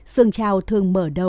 sườn chào thường mở đầu